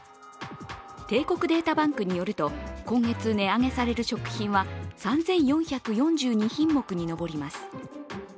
帝国データバンクによると今月値上げされる食品は３４４２品目に上ります。